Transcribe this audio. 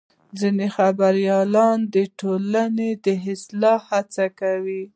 ځینې خبریالان د ټولنې د اصلاح هڅه کوي.